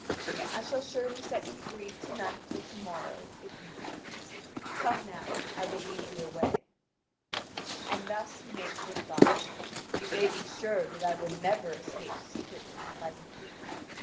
I shall surely set you free to night or to morrow, if you please. Come now, I will lead you away." And he thus makes reply: "You may be sure that I will never escape secretly and like a thief.